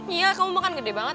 iya kamu makan gede banget